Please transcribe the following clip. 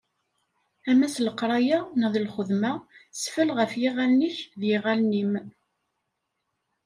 Ama s leqraya, neɣ d lxedma, sfell ɣef yiɣallen-ik, d yiɣallen-im.